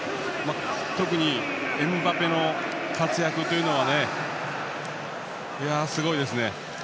特にエムバペの活躍はすごいですね。